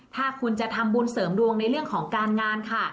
ถ้าคุณจะทำบุญเสริมดวงในเรื่องของการงานค่ะ